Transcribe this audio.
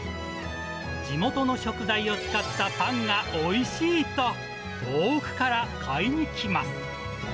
地元の食材を使ったパンがおいしいと、遠くから買いに来ます。